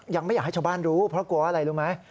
ยังไม่อยากให้ชาวบ้านรู้เพราะกลัวอะไรรู้ไหม